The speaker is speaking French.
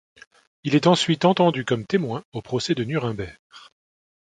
Il est ensuite entendu comme témoin au procès de Nuremberg.